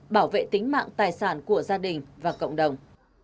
bảo vệ tính mạng tài sản của gia đình và cộng đồng